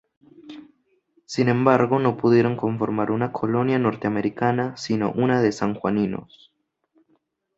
Sin embargo no pudieron conformar una colonia norteamericana sino una de sanjuaninos.